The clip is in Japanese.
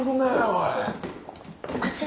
おい。